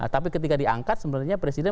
tapi ketika diangkat sebenarnya presiden